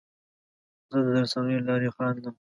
زه د رسنیو له لارې خندم.